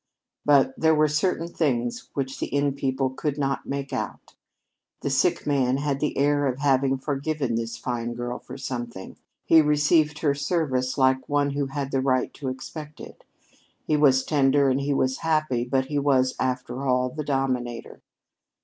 But there were certain things which the inn people could not make out. The sick man had the air of having forgiven this fine girl for something. He received her service like one who had the right to expect it. He was tender and he was happy, but he was, after all, the dominator.